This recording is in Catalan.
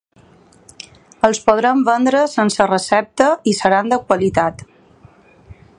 Els podrem vendre sense recepta i seran de qualitat.